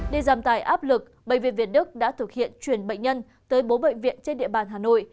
để giảm tải áp lực bệnh viện việt đức đã thực hiện chuyển bệnh nhân tới bốn bệnh viện trên địa bàn hà nội